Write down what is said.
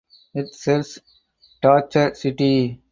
It serves Talcher city.